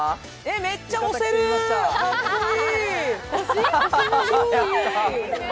めっちゃ推せる、かっこいい。